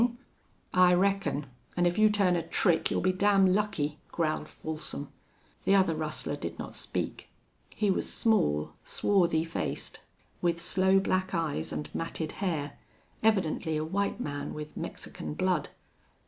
"I reckon. An' if you turn a trick you'll be damn lucky," growled Folsom. The other rustler did not speak. He was small, swarthy faced, with sloe black eyes and matted hair, evidently a white man with Mexican blood.